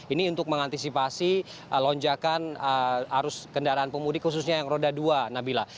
ini untuk mengantisipasi lonjakan arus kendaraan pemudik khususnya yang roda dua nabila